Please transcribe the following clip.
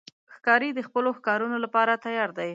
ښکاري د خپلو ښکارونو لپاره تیار دی.